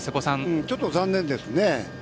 ちょっと残念ですね。